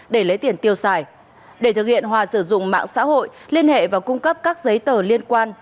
để lấy tiền tiêu xài để thực hiện hòa sử dụng mạng xã hội liên hệ và cung cấp các giấy tờ liên quan